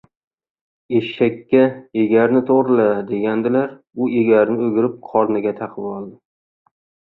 • Eshakka “egarni to‘g‘rila” degandilar, u egarni o‘girib qorniga taqib oldi.